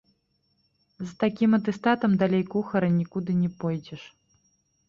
З такім атэстатам далей кухара нікуды не пойдзеш.